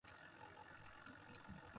اَݨ جِبوْ (ݜ۔ ا۔ مذ۔ ص) بے عہد۔ بدعہد۔